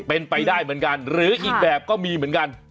เป็นไปได้เหมือนกันหรืออีกแบบก็มีเหมือนกัน